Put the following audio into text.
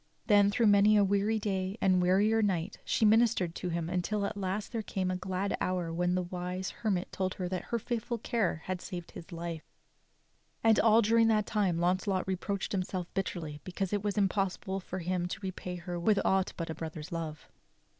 Then through many a weary day and wearier night she minis tered to him until at last there came a glad hour when the wise her mit told her that her faithful care had saved his life; and all during that time Launcelot reproached himself bitterly because it was im possible for him to repay her with aught but a brother's love.